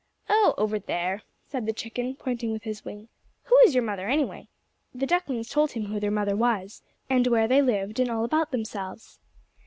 "Oh, over there," said the chicken, pointing with his wing. "Who is your mother, anyway?" The ducklings told him who their mother was, and where they lived, and all about themselves.